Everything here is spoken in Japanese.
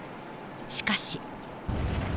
しかし。